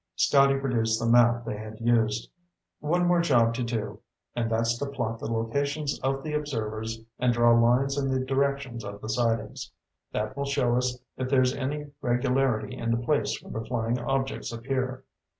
Scotty produced the map they had used. "One more job to do, and that's to plot the locations of the observers and draw lines in the directions of the sightings. That will show us if there's any regularity in the place where the flying objects appear."